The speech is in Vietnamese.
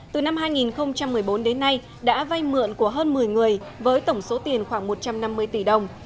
từ năm hai nghìn một mươi bốn đến nay đã vay mượn của hơn một mươi người với tổng số tiền khoảng một trăm năm mươi tỷ đồng